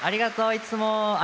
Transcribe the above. いつも。